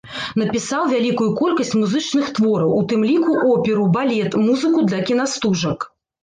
Напісаў вялікую колькасць музычных твораў, у тым ліку оперу, балет, музыку да кінастужак.